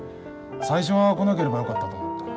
最初は来なければよかったと思った。